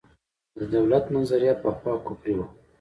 د دولت نظریه پخوا کفري وه.